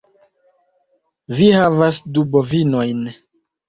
Vi havas du bovinojn.